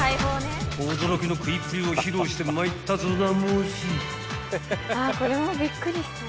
［驚きの食いっぷりを披露してまいったぞなもし］